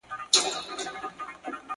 سترګي توري د هوسۍ قد یې چینار وو.!